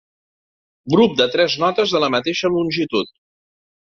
Grup de tres notes de la mateixa longitud.